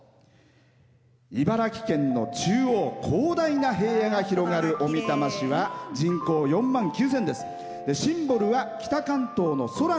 茨城県の中央広大な平原が広がる小美玉市は人口およそ４万９０００です。